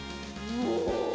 お！